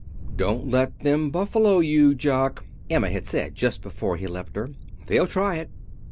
"Don't let them buffalo you, Jock," Emma had said, just before he left her. "They'll try it.